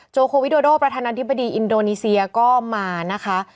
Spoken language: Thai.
โควิโดโดประธานาธิบดีอินโดนีเซียก็มานะคะ